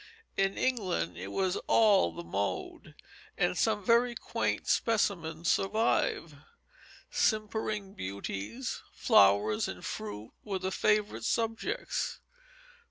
In England it was all the mode, and some very quaint specimens survive; simpering beauties, flowers, and fruit were the favorite subjects.